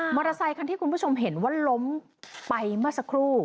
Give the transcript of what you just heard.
อเตอร์ไซคันที่คุณผู้ชมเห็นว่าล้มไปเมื่อสักครู่